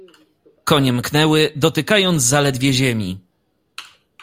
"Konie mknęły, dotykając zaledwie ziemi."